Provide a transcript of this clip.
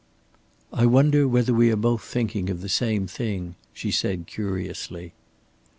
"I wonder whether we are both thinking of the same thing," she said, curiously.